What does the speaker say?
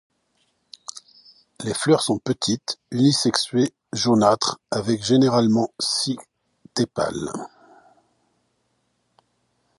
Les fleurs sont petites, unisexuées, jaunâtres, avec généralement six tépales.